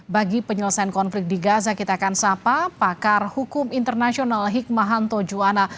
bagi penyelesaian konflik di gaza kita akan sapa pakar hukum internasional hikmahanto juwana